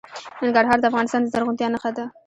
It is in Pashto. ننګرهار د افغانستان د زرغونتیا نښه ده.